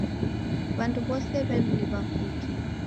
W'andu w'soe w'emliw'a putu.